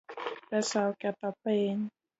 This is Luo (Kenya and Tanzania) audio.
Pesa oketho piny